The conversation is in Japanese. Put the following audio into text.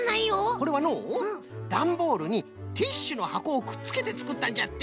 これはのうだんボールにティッシュのはこをくっつけてつくったんじゃって。